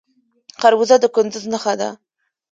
خربوزه د کندز نښه ده.